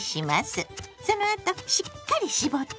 そのあとしっかり絞ってね！